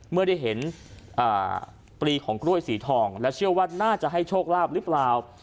เมื่อได้เห็นปลีของกล้วยสีทองและเชื่อว่าน่าจะให้โชคลาภหรือเปล่า